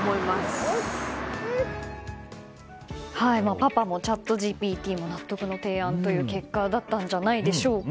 パパもチャットＧＰＴも納得の提案という結果だったんじゃないでしょうか。